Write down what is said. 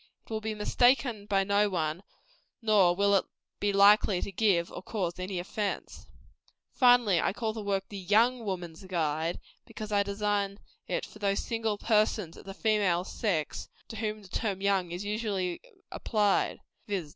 It will be mistaken by no one, nor will it be likely to give or cause any offence. Finally, I call the work "The YOUNG Woman's Guide," because I design it for those single persons of the female sex to whom the term young is usually applied; viz.